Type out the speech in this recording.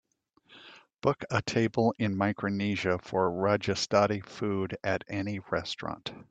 book a table in Micronesia for rajasthani food at any restaurant